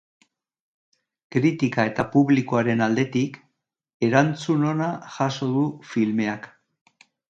Kritika eta publikoaren aldetik, erantzun ona jaso du filmeak.